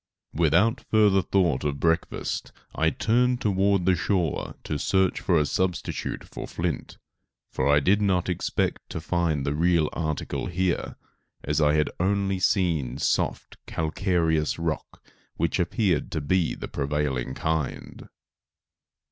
Without further thought of breakfast I turned toward the shore to search for a substitute for flint, for I did not expect to find the real article here, as I had only seen soft, calcareous rock which appeared to be the prevailing kind.